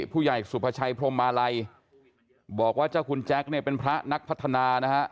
ผู้ใหญ่สุภาชัยพรมมาลัยบอกว่าเจ้าคุณแจ๊คเนี่ยเป็นพระนักพัฒนานะฮะ